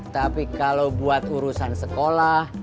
tapi kalau buat urusan sekolah